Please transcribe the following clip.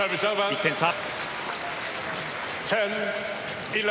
１点差。